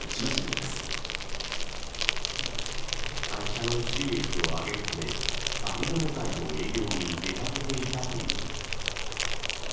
会社の収益を上げるためさび止め剤の営業に出かけていたという。